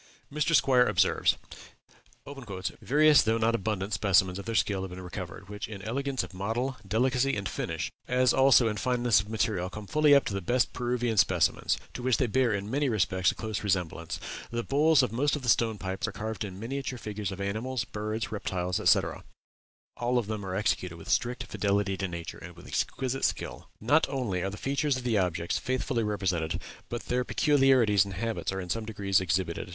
Mr. Squier observes: "Various though not abundant specimens of their skill have been recovered, which in elegance of model, delicacy, and finish, as also in fineness of material, come fully up to the best Peruvian specimens, to which they bear, in many respects, a close resemblance. The bowls of most of the stone pipes are carved in miniature figures of animals, birds, reptiles, etc. All of them are executed with strict fidelity to nature, and with exquisite skill. Not only are the features of the objects faithfully represented, but their peculiarities and habits are in some degree exhibited....